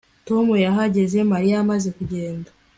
Tom yahageze Mariya amaze kugenda